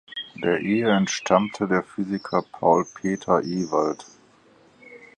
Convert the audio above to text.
Der Ehe entstammte der Physiker Paul Peter Ewald.